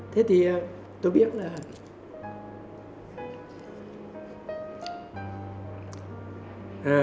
thế thì tôi biết là